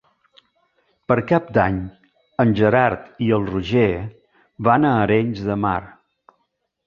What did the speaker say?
Per Cap d'Any en Gerard i en Roger van a Arenys de Mar.